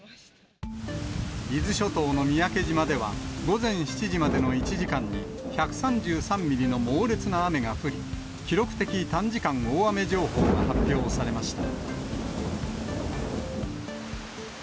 伊豆諸島の三宅島では、午前７時までの１時間に１３３ミリの猛烈な雨が降り、記録的短時間大雨情報が発表されました。